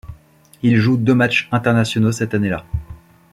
Il joue deux matchs internationaux cette année-là.